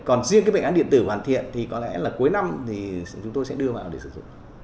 còn riêng bệnh án điện tử hoàn thiện thì có lẽ cuối năm chúng tôi sẽ đưa vào để sử dụng